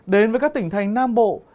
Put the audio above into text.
đến với các tỉnh thành nam bộ